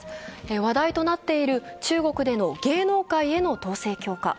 話題となっている中国での芸能界への統制強化。